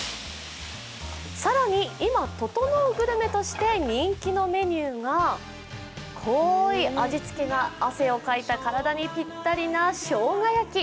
更に、今ととのうグルメとして人気のメニューが濃い味付けが汗をかいた体にぴったりなしょうが焼き。